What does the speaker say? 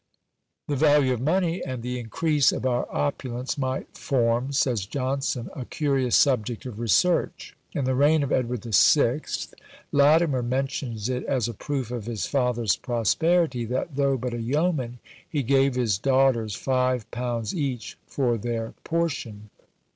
The value of money, and the increase of our opulence, might form, says Johnson, a curious subject of research. In the reign of Edward the Sixth, Latimer mentions it as a proof of his father's prosperity, that though but a yeoman, he gave his daughters five pounds each for their portion.